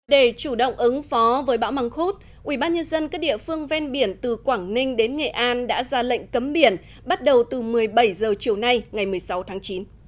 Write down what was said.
để chủ động ứng phó với bão măng khuốt ubnd các địa phương ven biển từ quảng ninh đến nghệ an đã ra lệnh cấm biển bắt đầu từ một mươi bảy h chiều nay ngày một mươi sáu tháng chín